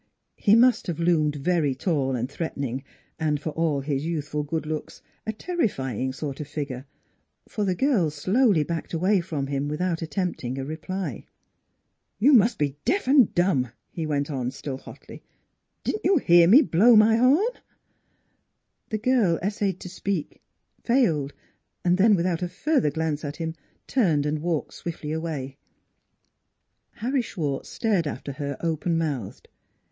" He must have loomed very tall and threatening and, for all his youthful good looks, a terrifying sort of a figure, for the girl slowly backed away from him without attempting a reply. " You must be deaf and dumb! " he went on, still hotly. " Didn't you hear me blow my horn?" The girl essayed to speak, failed; then without a further glance at him turned and walked swiftly away. Harry Schwartz stared after her open mouthed.